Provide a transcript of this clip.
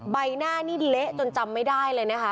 ใบหน้านี่เละจนจำไม่ได้เลยนะคะ